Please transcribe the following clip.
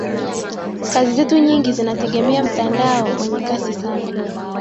kazi zetu nyingi zinategemea mtandao wenye kasi sana